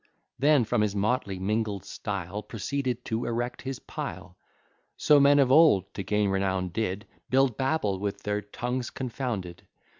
Then, from this motley mingled style, Proceeded to erect his pile. So men of old, to gain renown, did Build Babel with their tongues confounded.